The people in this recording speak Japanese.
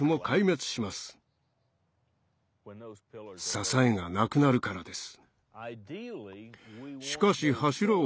支えがなくなるからです。